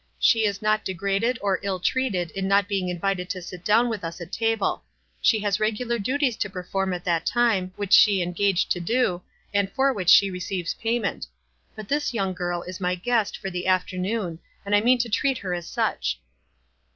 She is not degraded or ill treated in not being invited to sit down with us at table. She has regular duties to perform at that time, which she engaged to do, and for 112 WISE AND OTHERWISE. which she receives payment ; but this young girl is my guest for the afternoon, and I mean to treat her as such."